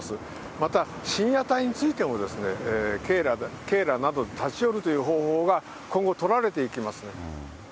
また、深夜帯についても、警らなど立ち寄るという方法が今後、取られていきます。